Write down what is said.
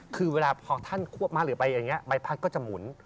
คือเวลาพอท่านควบมะหรือไปอย่างนี้ใบพัดก็จะหมุน